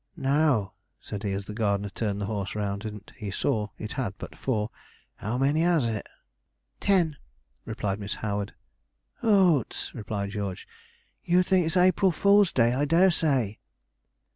'Now,' said he, as the gardener turned the horse round, and he saw it had but four, 'how many has it?' 'Ten!' replied Miss Howard. 'Hoots,' replied George, 'you think it's April Fool's Day, I dare say.'